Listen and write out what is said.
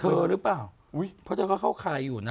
เธอหรือเปล่าเพราะเธอก็เข้าค่ายอยู่นะ